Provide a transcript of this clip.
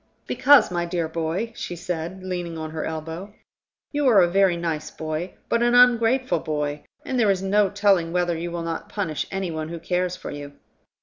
"Because, my dear boy," she said, leaning on her elbow, "you are a very nice boy, but an ungrateful boy, and there is no telling whether you will not punish any one who cares for you.